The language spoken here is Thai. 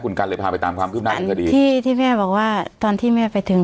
คุณกันเลยพาไปตามความคืบหน้าของคดีที่ที่แม่บอกว่าตอนที่แม่ไปถึง